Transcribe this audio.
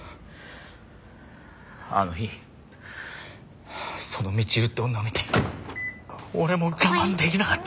あの日そのみちるって女を見て俺もう我慢できなかった！